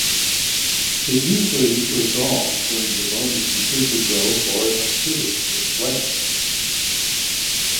It usually resolves when the bone has completed growth or activity is lessened.